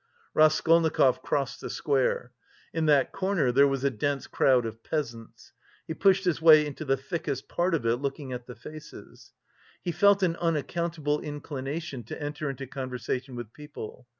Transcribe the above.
Raskolnikov crossed the square. In that corner there was a dense crowd of peasants. He pushed his way into the thickest part of it, looking at the faces. He felt an unaccountable inclination to enter into conversation with people.